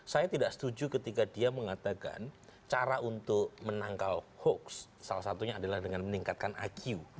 saya tidak setuju ketika dia mengatakan cara untuk menangkal hoax salah satunya adalah dengan meningkatkan iq